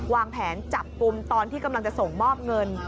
วางแผนจับกลุ่มตอนที่กำลังจะส่งมอบเงิน